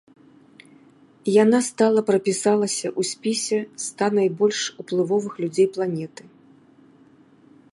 Яна стала прапісалася ў спісе ста найбольш уплывовых людзей планеты.